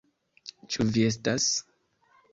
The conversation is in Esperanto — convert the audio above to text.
Ĉu vi estas?